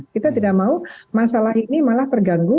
kita tidak mau masalah ini malah terganggu